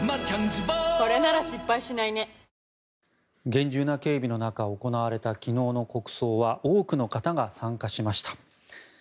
厳重な警備の中行われた昨日の国葬には多くの方が参加しました。